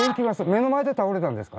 目の前で倒れたんですか？